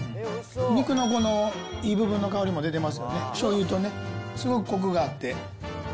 肉のいい部分の香りも出てますよね、しょうゆとね、すごくこくがあって。